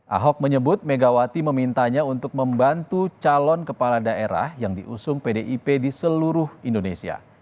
ahok menyebut megawati memintanya untuk membantu calon kepala daerah yang diusung pdip di seluruh indonesia